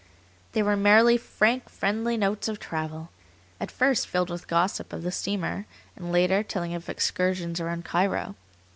They were merely frank, friendly notes of travel; at first filled with gossip of the steamer, and later telling of excursions around Cairo.